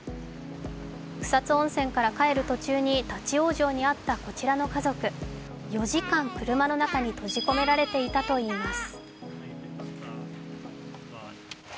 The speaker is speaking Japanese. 草津温泉から帰る途中に立往生に遭ったこちらの家族、４時間、車の中に閉じ込められていたといいます。